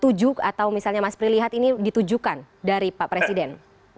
tujuk atau misalnya mas pri lihat ini ditujukan dari pak presiden